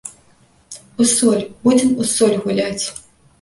У соль, будзем у соль гуляць!